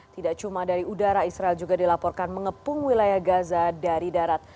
tidak cuma dari udara israel juga dilaporkan mengepung wilayah gaza dari darat